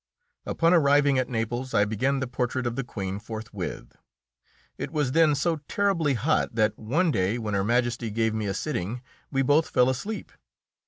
Upon arriving at Naples I began the portrait of the Queen forthwith. It was then so terribly hot that one day when Her Majesty gave me a sitting we both fell asleep.